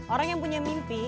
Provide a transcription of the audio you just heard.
orang yang punya mimpi